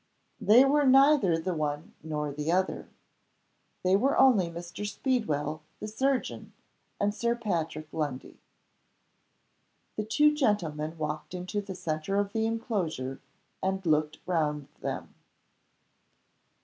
They were neither the one nor the other. They were only Mr. Speedwell, the surgeon, and Sir Patrick Lundie. The two gentlemen walked into the centre of the inclosure, and looked round them.